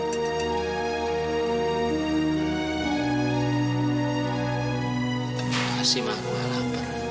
terima kasih mama aku malam